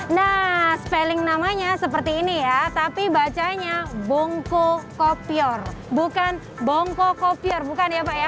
nah spelling namanya seperti ini ya tapi bacanya bongkokopior bukan bongkokopior bukan ya pak ya